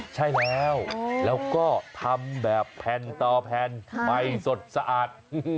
ใช่แล้วแล้วก็ทำแบบแผ่นต่อแผ่นใหม่สดสะอาด